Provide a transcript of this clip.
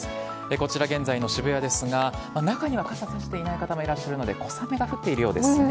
こちら現在の渋谷ですが、中には傘差していない方もいらっしゃるので、小雨が降っているようですね。